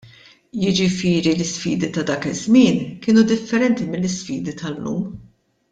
Jiġifieri l-isfidi ta' dak iż-żmien kienu differenti mill-isfidi tal-lum.